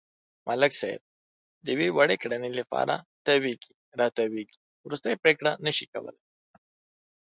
ملک صاحب د یوې وړې کړنې لپاره تاوېږي را تاووېږي، ورستۍ پرېکړه نشي کولای.